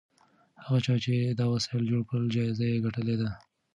هغه چا چې دا وسایل جوړ کړي جایزه یې ګټلې ده.